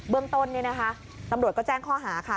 เรื่องต้นเนี่ยนะคะตำรวจก็แจ้งข้อหาค่ะ